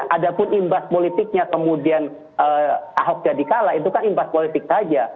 ada pun imbas politiknya kemudian ahok jadi kalah itu kan imbas politik saja